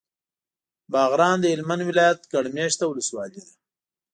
باغران د هلمند ولایت ګڼ مېشته ولسوالي ده.